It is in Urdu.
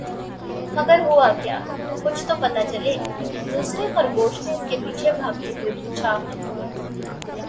مگر ہوا کیا؟ کچھ تو پتا چلے!“دوسرے خرگوش نے اس کے پیچھے بھاگتے ہوئے پوچھا۔